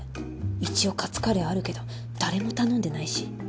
一応カツカレーあるけど誰も頼んでないし。